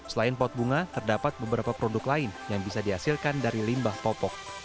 selain pot bunga terdapat beberapa produk lain yang bisa dihasilkan dari limbah popok